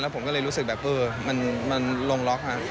แล้วผมก็เลยรู้สึกแบบเออมันลงล็อคนะครับ